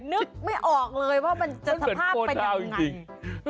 นึกไม่ออกเลยว่ามันจะสภาพเป็นยังไง